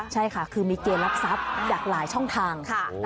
ใช่ค่ะคือมีเกณฑ์รับทรัพย์จากหลายช่องทาง